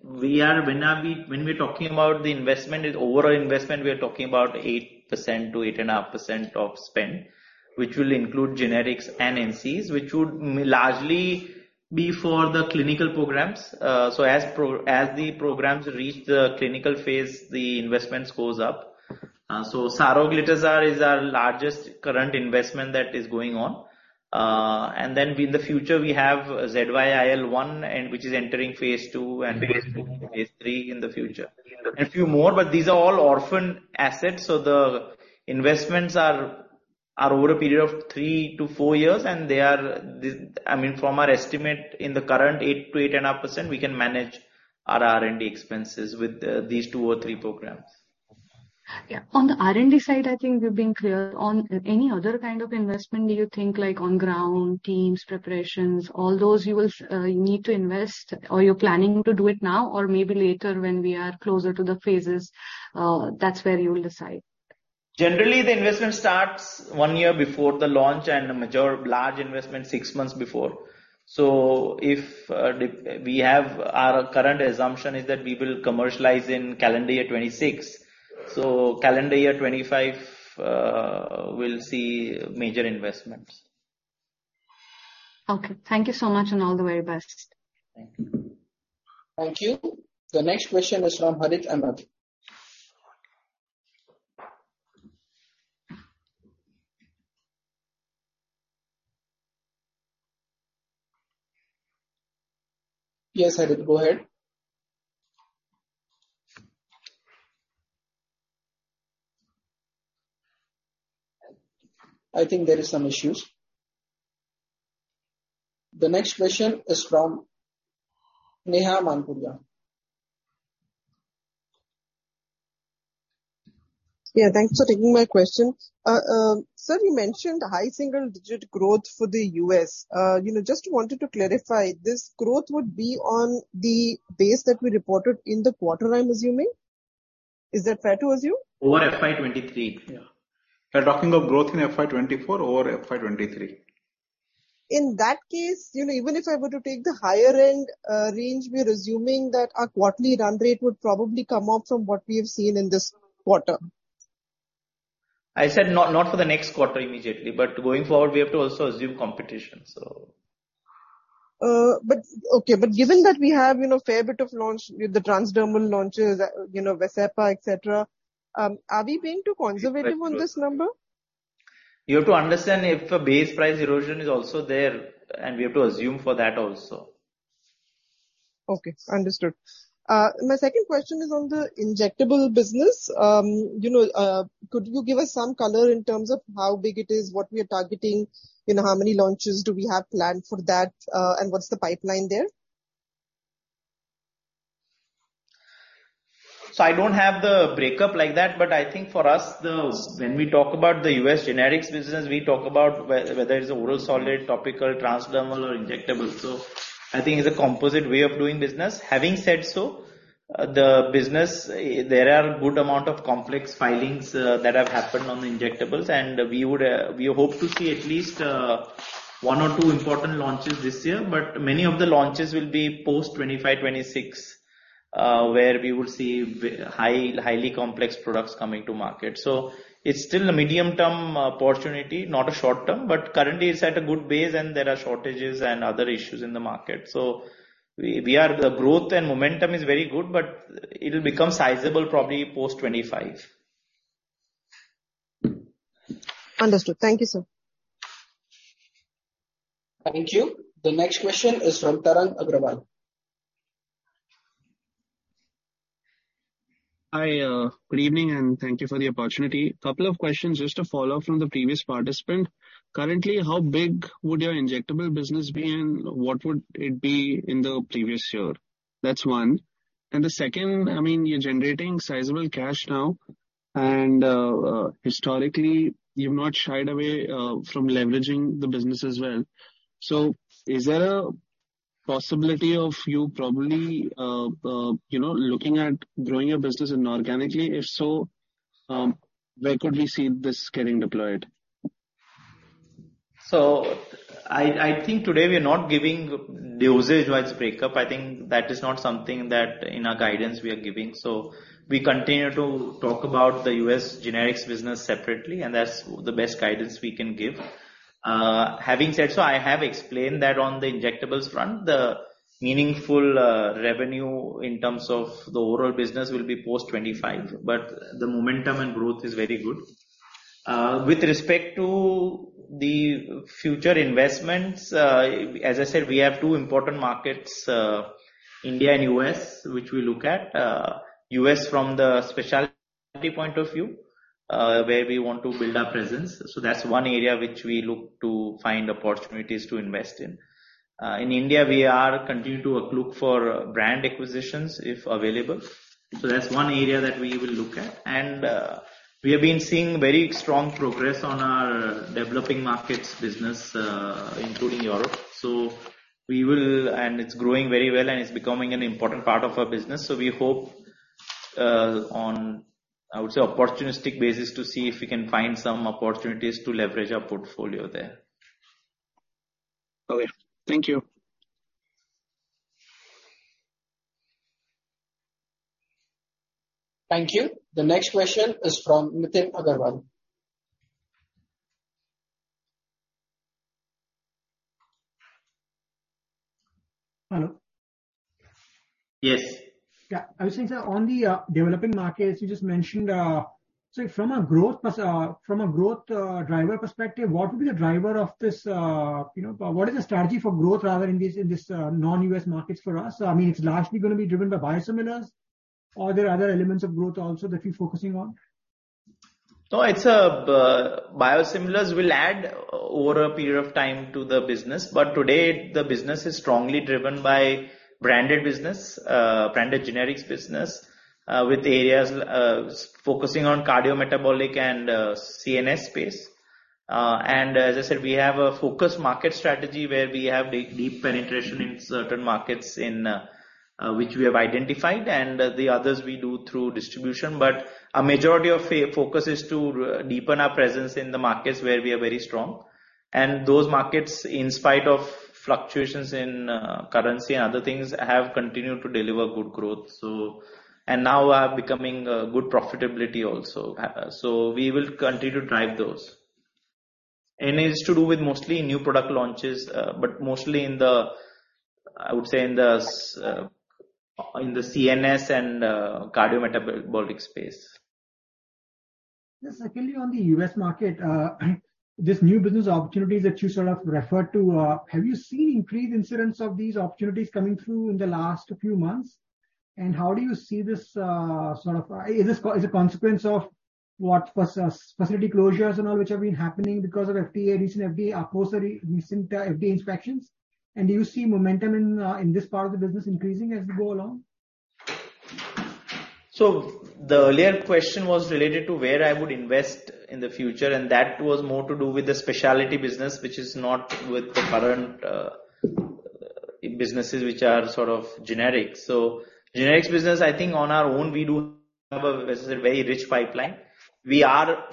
when we're talking about the investment is overall investment, we are talking about 8% to 8.5% of spend, which will include generics and NCs, which would largely be for the clinical programs. As the programs reach the clinical phase, the investments goes up. Saroglitazar is our largest current investment that is going on. In the future, we have ZYIL1 and which is entering phase two and phase three in the future. A few more, but these are all orphan assets, so the investments are over a period of three to four years, and they are I mean, from our estimate in the current 8-8.5%, we can manage our R&D expenses with these two or three programs. Yeah. On the R&D side, I think you're being clear. On any other kind of investment, do you think like on ground, teams, preparations, all those you will, you need to invest or you're planning to do it now or maybe later when we are closer to the phases, that's where you will decide? Generally, the investment starts one year before the launch and the major large investment six months before. If, we have our current assumption is that we will commercialize in calendar year 2026. Calendar year 2025, we'll see major investments. Okay. Thank you so much and all the very best. Thank you. Thank you. The next question is from Harith Ahamed. Yes, Harith, go ahead. I think there is some issues. The next question is from Neha Manpuria. Yeah. Thanks for taking my question. sir, you mentioned high single digit growth for the US. you know, just wanted to clarify, this growth would be on the base that we reported in the quarter, I'm assuming. Is that fair to assume? Over FY 2023, yeah. We're talking of growth in FY 2024 over FY 2023. In that case, you know, even if I were to take the higher end, range, we're assuming that our quarterly run rate would probably come up from what we have seen in this quarter. I said not for the next quarter immediately, but going forward, we have to also assume competition, so. Okay. Given that we have, you know fair bit of launch with the transdermal launches, you know, Vascepa, etc. Are we being too conservative on this number? You have to understand if a base price erosion is also there, and we have to assume for that also. Okay, understood. My second question is on the injectable business. You know, could you give us some color in terms of how big it is, what we are targeting, you know, how many launches do we have planned for that, and what's the pipeline there? I don't have the breakup like that, but I think for us, when we talk about the U.S. generics business, we talk about whether it's a oral solid, topical, transdermal or injectable. I think it's a composite way of doing business. Having said so, the business, there are good amount of complex filings that have happened on the injectables, and we would, we hope to see at least 1 or 2 important launches this year. Many of the launches will be post 2025, 2026, where we would see highly complex products coming to market. It's still a medium-term opportunity, not a short term, but currently it's at a good base and there are shortages and other issues in the market. We are the growth and momentum is very good, but it'll become sizable probably post 2025. Understood. Thank you, sir. Thank you. The next question is from Tarang Agrawal. Hi. Good evening, and thank you for the opportunity. Couple of questions, just to follow up from the previous participant. Currently, how big would your injectable business be, and what would it be in the previous year? That's one. The second, I mean, you're generating sizable cash now, and, historically, you've not shied away from leveraging the business as well. Is there a possibility of you probably, you know, looking at growing your business inorganically? If so, where could we see this getting deployed? I think today we are not giving the usage-wise breakup. I think that is not something that in our guidance we are giving. Having said so, I have explained that on the injectables front, the meaningful revenue in terms of the overall business will be post 2025, but the momentum and growth is very good. With respect to the future investments, as I said, we have two important markets, India and U.S., which we look at. U.S. from the specialty point of view, where we want to build our presence. That's one area which we look to find opportunities to invest in. In India, we are continuing to look for brand acquisitions, if available. That's one area that we will look at. We have been seeing very strong progress on our developing markets business, including Europe. It's growing very well and it's becoming an important part of our business. We hope, on, I would say, opportunistic basis to see if we can find some opportunities to leverage our portfolio there. Okay. Thank you. Thank you. The next question is from Nitin Aggarwal. Hello? Yes. Yeah. I was saying, sir, on the developing markets you just mentioned, from a growth driver perspective, what would be the driver of this, you know, what is the strategy for growth rather in this, in this non-U.S. markets for us? I mean, it's largely going to be driven by biosimilars. Are there other elements of growth also that you're focusing on? No, it's biosimilars will add over a period of time to the business. Today the business is strongly driven by branded business, branded generics business, with areas focusing on cardiometabolic and C&S space. As I said, we have a focused market strategy where we have deep penetration in certain markets in which we have identified and the others we do through distribution. A majority of focus is to deepen our presence in the markets where we are very strong. Those markets, in spite of fluctuations in currency and other things, have continued to deliver good growth. Now are becoming good profitability also. We will continue to drive those. It's to do with mostly new product launches, but mostly in the, I would say, in the CNS and cardiometabolic space. Yes. Secondly, on the U.S. market, this new business opportunities that you sort of referred to, have you seen increased incidents of these opportunities coming through in the last few months? How do you see this, sort of, is this a consequence of what, facility closures and all which have been happening because of FDA, recent FDA, or post recent FDA inspections? Do you see momentum in this part of the business increasing as we go along? The earlier question was related to where I would invest in the future, and that was more to do with the specialty business, which is not with the current businesses which are sort of generic. Generics business, I think on our own, we do have a very rich pipeline. We are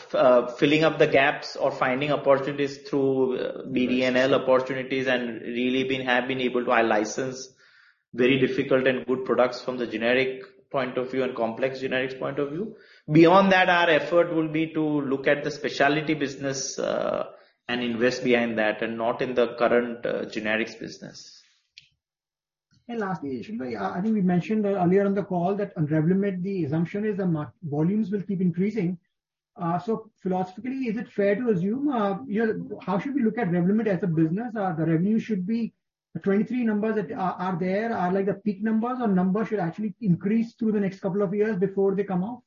filling up the gaps or finding opportunities through BD&L opportunities and really been, have been able to license very difficult and good products from the generic point of view and complex generics point of view. Beyond that, our effort will be to look at the specialty business and invest behind that and not in the current generics business. Lastly, Sharvil I think we mentioned earlier in the call that on Revlimid the assumption is the volumes will keep increasing. Philosophically, is it fair to assume, you know, how should we look at Revlimid as a business? The revenue should be 2023 numbers that are like the peak numbers or numbers should actually increase through the next couple of years before they come off?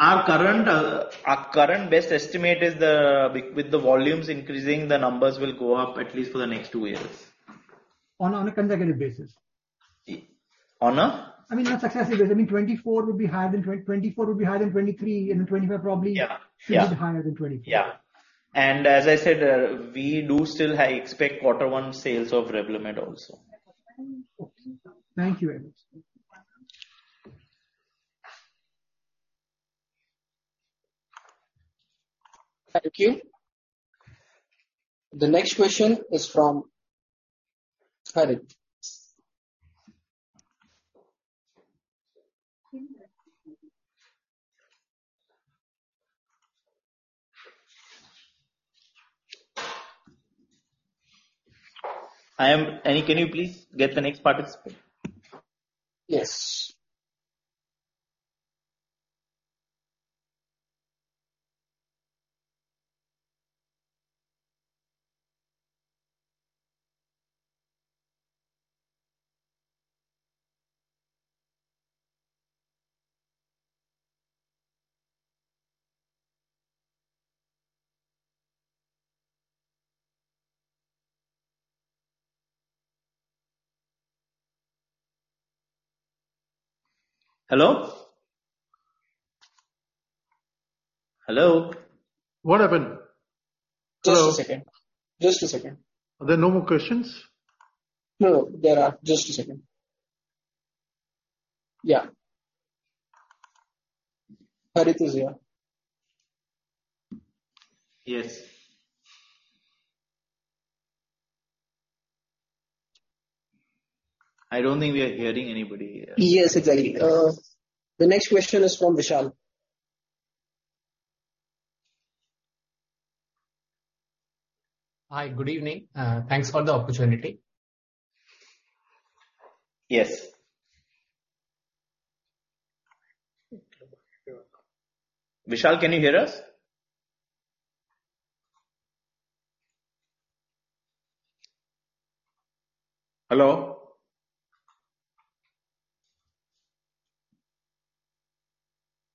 Our current best estimate is the, with the volumes increasing, the numbers will go up at least for the next two years. On a consecutive basis. On a? I mean, on successive years. I mean, 2024 would be higher than 2023 and 2025. Yeah. Should be higher than 2023. Yeah. as I said, we do still high expect quarter one sales of Revlimid also. Thank you very much. Thank you. The next question is from Harit. Annie, can you please get the next participant? Yes. Hello? Hello? What happened? Hello? Just a second. Just a second. Are there no more questions? No, there are. Just a second. Yeah. Harith is here. Yes. I don't think we are hearing anybody. Yes, exactly. The next question is from Vishal. Hi. Good evening. Thanks for the opportunity. Yes. Vishal, can you hear us? Hello? Yeah. We are trying to - Hello.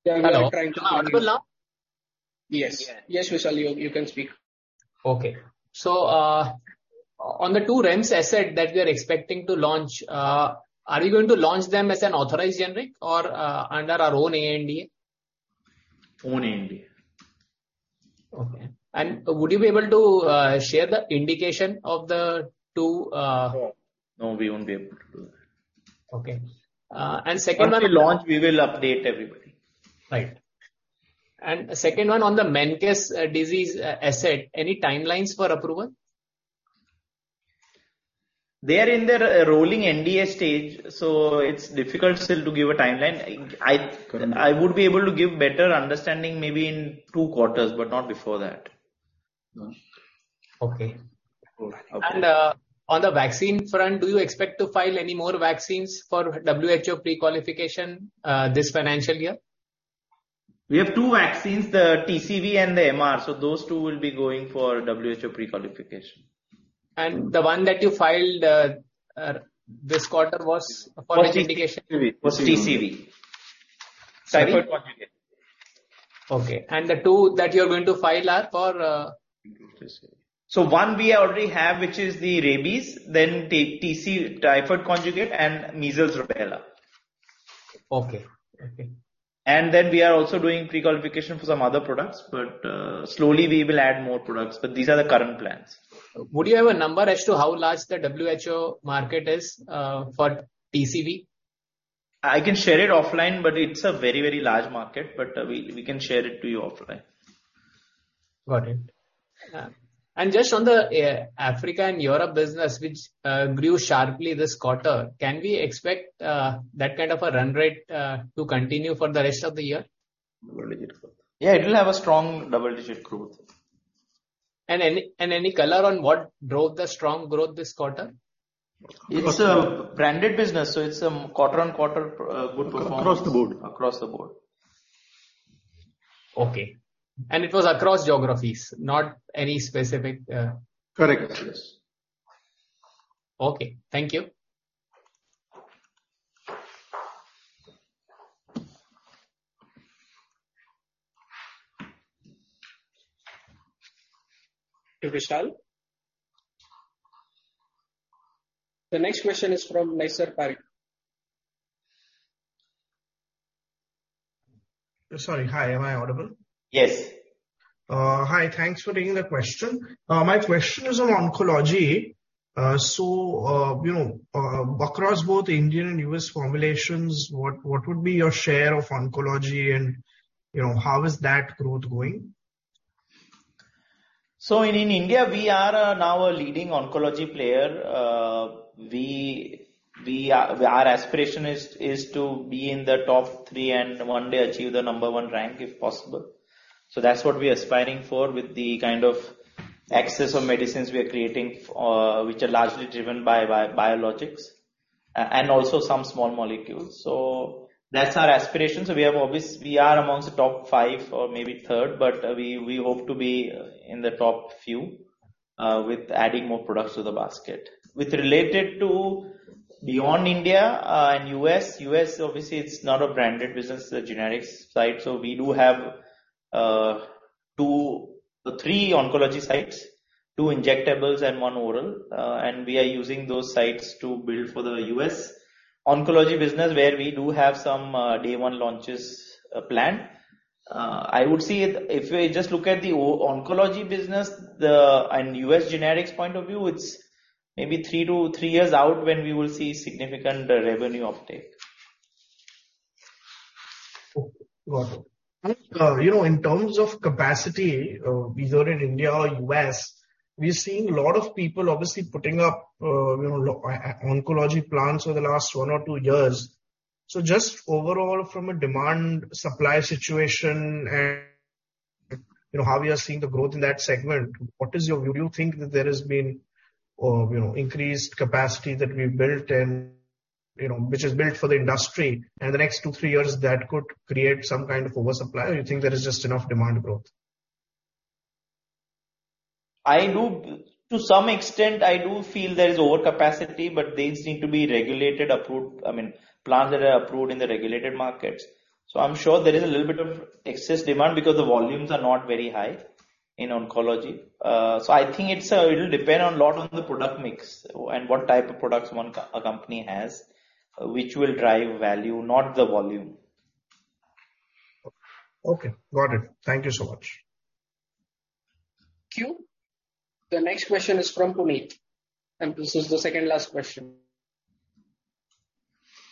Yes, Vishal, you can speak. Okay. on the two REMS asset that we are expecting to launch, are we going to launch them as an authorized generic or under our own ANDA? Own ANDA. Okay. Would you be able to share the indication of the 2? No, we won't be able to do that. Okay. second one. Once we launch, we will update everybody. Right. second one on the Menkes disease asset, any timelines for approval? They are in their rolling NDA stage. It's difficult still to give a timeline. I would be able to give better understanding maybe in two quarters, but not before that. Okay. Okay. On the vaccine front, do you expect to file any more vaccines for WHO prequalification this financial year? We have two vaccines, the TCV and the MR. Those two will be going for WHO prequalification. The one that you filed, this quarter was for which indication? TCV. It was TCV. Typhoid conjugate. Okay. The two that you're going to file are for,... 1 we already have, which is the rabies, then typhoid conjugate and measles rubella. Okay. Okay. We are also doing prequalification for some other products, but slowly we will add more products. These are the current plans. Would you have a number as to how large the WHO market is, for TCV? I can share it offline, but it's a very, very large market. We can share it to you offline. Got it. Just on the Africa and Europe business, which grew sharply this quarter, can we expect that kind of a run rate to continue for the rest of the year? Yeah. It will have a strong double-digit growth. Any color on what drove the strong growth this quarter? It's a branded business, so it's quarter-on-quarter good performance. Across the board. Across the board. Okay. It was across geographies, not any specific. Correct. Yes. Okay. Thank you. Thank you, Vishal. The next question is from Nisar Pari. Sorry. Hi. Am I audible? Yes. Hi. Thanks for taking the question. My question is on oncology. You know, across both Indian and U.S. formulations, what would be your share of oncology and, you know, how is that growth going? In India, we are now a leading oncology player. Our aspiration is to be in the top three and one day achieve the number one rank, if possible. That's what we're aspiring for with the kind of access of medicines we are creating, which are largely driven by biologics and also some small molecules. That's our aspiration. We are amongst the top five or maybe third, but we hope to be in the top few with adding more products to the basket. With related to beyond India and US, obviously it's not a branded business, the generics side. We do have two... Three oncology sites, two injectables and one oral, and we are using those sites to build for the US oncology business where we do have some day one launches planned. I would say if we just look at the oncology business and US generics point of view, it's maybe three years out when we will see significant revenue uptake. Okay. Got it. You know, in terms of capacity, be either in India or US, we are seeing a lot of people obviously putting up, you know, oncology plants over the last one or two years. Just overall from a demand supply situation and, you know, how we are seeing the growth in that segment, what is your view? Do you think that there has been, you know, increased capacity that we built and, you know, which is built for the industry and the next two, three years that could create some kind of oversupply? You think there is just enough demand growth? To some extent, I do feel there is overcapacity. These need to be regulated, approved, I mean, plants that are approved in the regulated markets. I'm sure there is a little bit of excess demand because the volumes are not very high in oncology. I think it's, it'll depend on lot on the product mix and what type of products a company has, which will drive value, not the volume. Okay. Got it. Thank you so much. Thank you. The next question is from Puneet, and this is the second last question.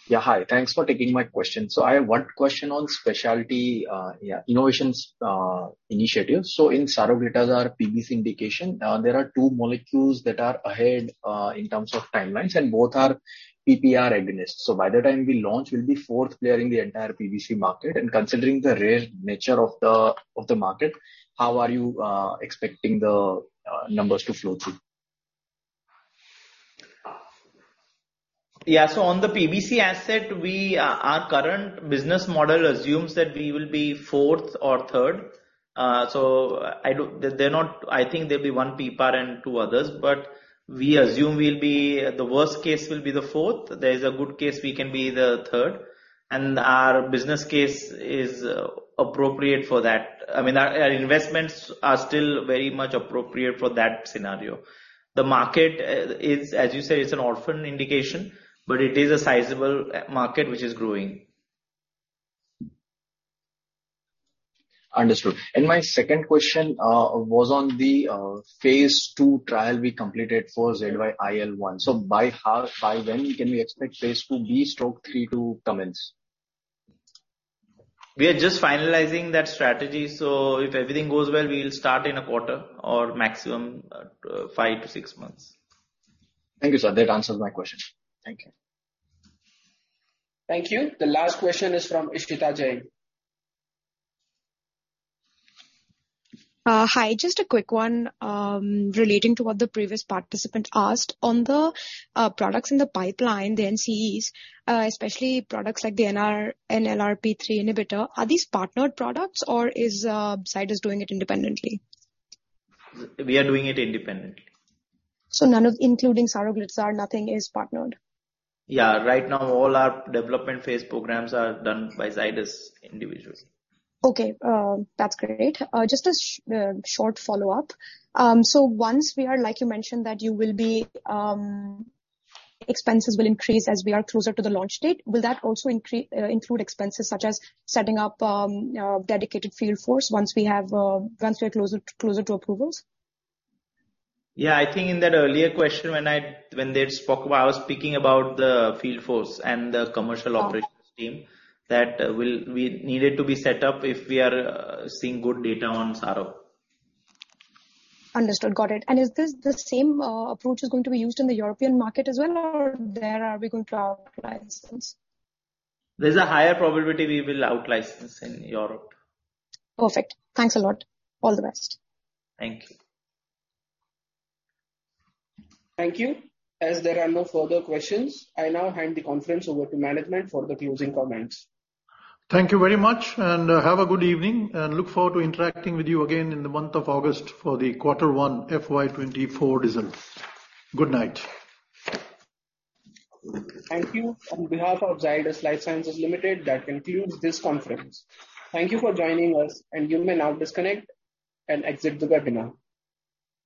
Yeah, hi. Thanks for taking my question. I have 1 question on specialty, yeah, innovations, initiatives. In saroglitazar PBC indication, there are two molecules that are ahead in terms of timelines. Both are PPAR agonists. By the time we launch, we'll be 4th player in the entire PBC market. Considering the rare nature of the market, how are you expecting the numbers to flow through? On the PBC asset, we, our current business model assumes that we will be fourth or third. I think there'll be one PPAR and two others, but we assume we'll be, the worst case will be the fourth. There is a good case we can be the third, and our business case is appropriate for that. I mean, our investments are still very much appropriate for that scenario. The market is, as you say, it's an orphan indication, but it is a sizable market which is growing. Understood. My second question, was on the, phase II trial we completed for ZYIL1. By when can we expect phase IIb/III to commence? We are just finalizing that strategy. If everything goes well, we'll start in a quarter or maximum, five to six months. Thank you, sir. That answers my question. Thank you. Thank you. The last question is from Ishita Jain. Hi. Just a quick one, relating to what the previous participant asked. On the products in the pipeline, the NCEs, especially products like the NLRP3 inhibitor, are these partnered products or is Zydus doing it independently? We are doing it independently. Including saroglitazar, nothing is partnered. Yeah. Right now, all our development phase programs are done by Zydus individually. Okay. That's great. Just a short follow-up. Once we are, like you mentioned, that you will be, expenses will increase as we are closer to the launch date. Will that also include expenses such as setting up, dedicated field force once we have, once we are closer to approvals? Yeah. I think in that earlier question when they spoke, I was speaking about the field force and the commercial operations team we need it to be set up if we are seeing good data on Saro. Understood. Got it. Is this the same approach is going to be used in the European market as well, or there are we going to out-license? There's a higher probability we will out-license in Europe. Perfect. Thanks a lot. All the best. Thank you. Thank you. As there are no further questions, I now hand the conference over to management for the closing comments. Thank you very much. Have a good evening and look forward to interacting with you again in the month of August for the quarter one FY 2024 results. Good night. Thank you. On behalf of Zydus Lifesciences Limited, that concludes this conference. Thank you for joining us, and you may now disconnect and exit the webinar.